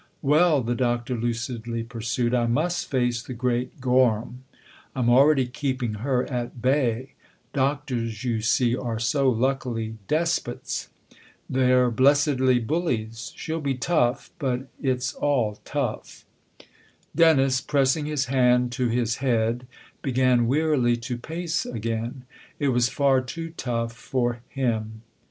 Well," the Doctor lucidly pursued, " I must face the great Gorham. I'm already keeping her at bay doctors, you see, are so luckily despots ! They're blessedly bullies. She'll be tough but it's all tough 1 " Dennis, pressing his hand to his head, began wearily to pace again : it was far too tough for him.